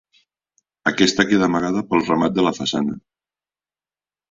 Aquesta queda amagada pel remat de la façana.